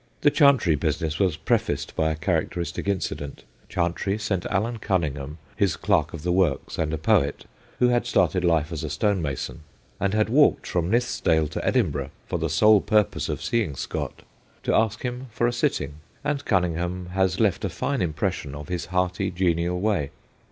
The Chantrey business was prefaced by a characteristic incident. Chantrey sent Allan Cunningham his clerk of the works and a poet, who had started life as a stonemason, and had walked from Nithsdale to Edin burgh for the sole purpose of seeing Scott to ask him for a sitting, and Cunningham has left a fine impression of his hearty, genial way.